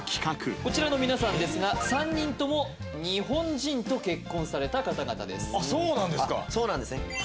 こちらの皆さんですが３人とも日本人と結婚された方々ですあっそうなんですかあっそうなんですね